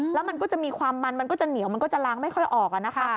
แล้วมันก็จะมีความมันมันก็จะเหนียวมันก็จะล้างไม่ค่อยออกอะนะคะ